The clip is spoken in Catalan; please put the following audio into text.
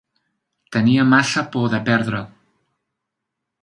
Tenia massa por de perdre'l.